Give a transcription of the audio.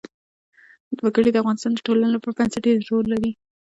وګړي د افغانستان د ټولنې لپاره بنسټيز رول لري.